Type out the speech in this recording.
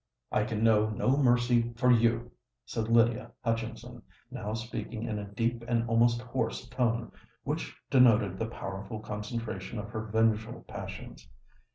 "I can know no mercy for you!" said Lydia Hutchinson, now speaking in a deep and almost hoarse tone, which denoted the powerful concentration of her vengeful passions.